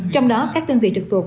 trong đó các đơn vị trực thuộc